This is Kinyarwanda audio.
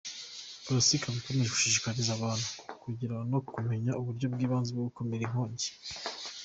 Police ikaba ikomeje gushishikariza abantu kugira no kumenya uburyo bw’ibanze bwo gukumira inkongi.